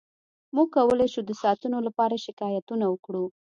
موږ کولی شو د ساعتونو لپاره شکایتونه وکړو